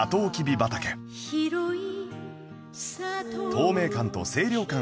透明感と清涼感